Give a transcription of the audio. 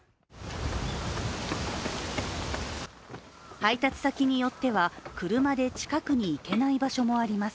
配達先によっては車で近くに行けない場所もあります。